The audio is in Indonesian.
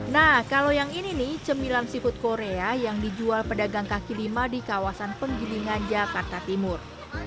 nah kalau yang ini nih cemilan seafood korea yang dijual pedagang kaki lima di kawasan penggilingan jakarta timur